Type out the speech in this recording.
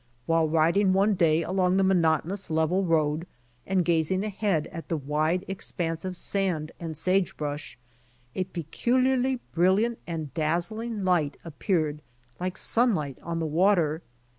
While riding one day along the monotonous level road and gazing ahead at the wide expanse of sand and sage brush, a peculiarly brilliant and dazzling light appeared like sunlight on the water.